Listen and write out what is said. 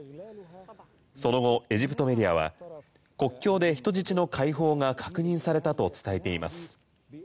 その後エジプトメディアは国境で人質の解放が確認されたと伝えています。